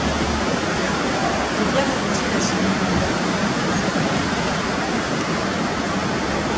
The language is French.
Que diable veut-il à ce vilain borgne?